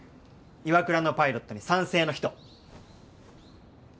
岩倉のパイロットに賛成の人。